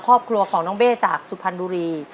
ครอบครัวของน้องเบ้จากสุพรรณบุรี